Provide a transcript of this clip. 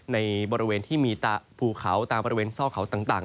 ในบริเวณที่มีภูเขาตามบริเวณซ่อเขาต่าง